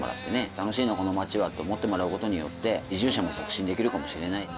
楽しいなこの街はって思ってもらうことによって移住者も促進できるかもしれない。